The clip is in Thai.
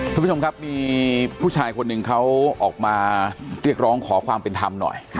คุณผู้ชมครับมีผู้ชายคนหนึ่งเขาออกมาเรียกร้องขอความเป็นธรรมหน่อย